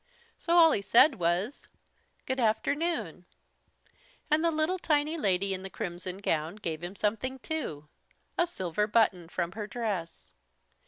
So all he said was: "Good afternoon!" And the little tiny lady in the crimson gown gave him something too, a silver button from her dress.